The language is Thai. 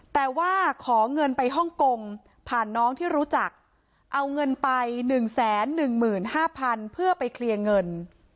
แต่ว่าขอเงินไปฮ่องกงผ่านน้องที่รู้จักเอาเงินไป๑๑๕๐๐๐เพื่อไปเคลียร์เงิน